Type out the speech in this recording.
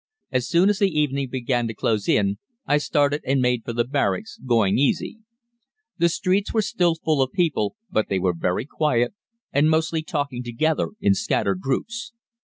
As soon as the evening began to close in I started and made for the barracks, going easy. The streets were still full of people, but they were very quiet, and mostly talking together in scattered groups.